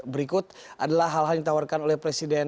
berikut adalah hal hal yang ditawarkan oleh presiden